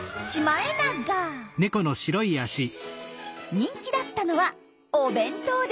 人気だったのはお弁当です。